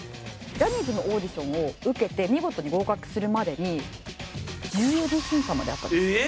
ジャニーズのオーディションを受けて見事に合格するまでに１４次審査まであったんですって。